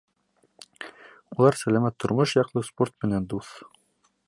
Улар сәләмәт тормош яҡлы, спорт менән дуҫ.